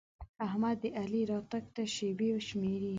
احمد د علي راتګ ته شېبې شمېري.